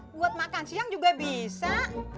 buat makan siang juga bisa